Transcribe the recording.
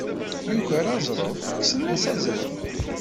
Yuker aẓref, kksen-as azref.